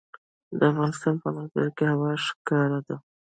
د افغانستان په منظره کې هوا ښکاره ده.